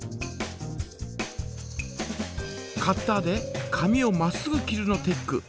カッターで紙をまっすぐ切るのテック。